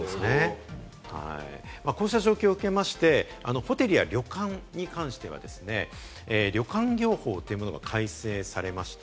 こうした状況を受けまして、ホテルや旅館に関しては旅館業法というものが改正されました。